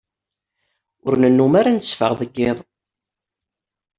Ur nennum ara netteffeɣ deg iḍ.